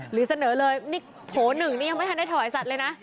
หรือเสนอเลยนี่โผล่หนึ่งนี่ยังไม่ทันได้ถวายสัตว์เลยนะ